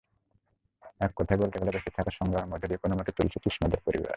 এককথায় বলতে গেলে বেঁচে থাকার সংগ্রামের মধ্য দিয়ে কোনোমতে চলছে তৃষ্ণাদের পরিবার।